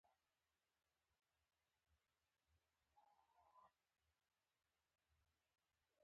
لارډ ماونټ بیټن وروستی وایسराय و.